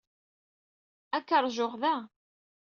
Ad k-ṛjuɣ da.